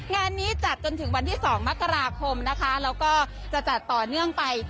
งานนี้จัดจนถึงวันที่๒มกราคมนะคะแล้วก็จะจัดต่อเนื่องไป